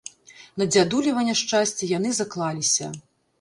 На дзядулева няшчасце, яны заклаліся.